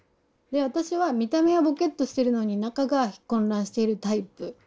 で私は見た目はぼけっとしてるのに中が混乱しているタイプ。